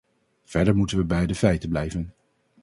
Verder moeten we bij de feiten blijven.